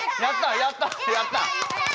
やった！